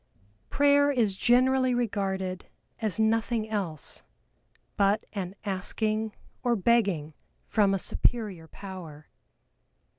Prayer is generally regarded as nothing else but an asking or begging from a superior power.